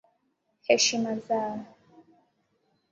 Heshima zao.